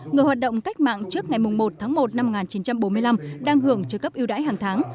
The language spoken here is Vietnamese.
người hoạt động cách mạng trước ngày một tháng một năm một nghìn chín trăm bốn mươi năm đang hưởng trợ cấp yêu đãi hàng tháng